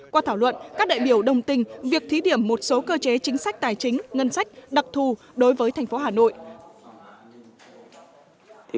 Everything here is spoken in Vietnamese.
qua thảo luận các đại biểu đồng tình việc thí điểm một số cơ chế chính sách tài chính ngân sách đặc thù đối với thành phố hà nội